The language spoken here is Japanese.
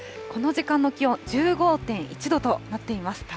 この時間の気温、１５．１度となっています。